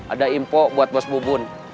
ada impor buat bos bubun